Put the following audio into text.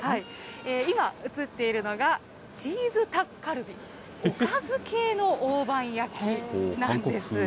今、映っているのがチーズタッカルビ、おかず系の大判焼きなんです。